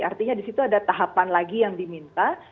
artinya disitu ada tahapan lagi yang diminta